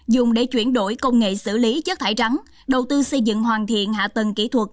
dùng để chuyển đổi công nghệ xử lý chất thải rắn đầu tư xây dựng hoàn thiện hạ tầng kỹ thuật